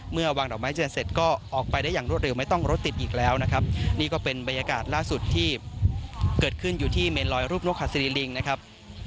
วางดอกไม้เจือนเสร็จก็ออกไปได้อย่างรวดเร็วไม่ต้องรถติดอีกแล้วนะครับนี่ก็เป็นบรรยากาศล่าสุดที่เกิดขึ้นอยู่ที่เมนลอยรูปนกฮาซีรีลิงนะครับ